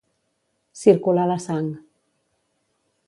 Circular la sang.